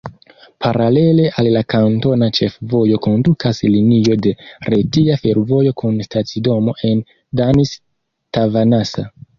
Paralele al la kantona ĉefvojo kondukas linio de Retia Fervojo kun stacidomo en Danis-Tavanasa.